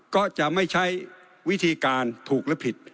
ก็จะไม่ใช้วิธีการถูกหรือผิด